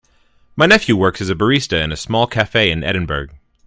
My nephew works as a barista in a small cafe in Edinburgh.